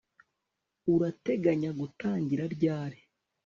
Urateganya gutangira ryari